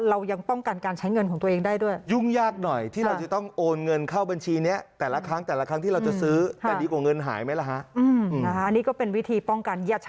เรายังป้องกันการใช้เงินของตัวเองได้ด้วย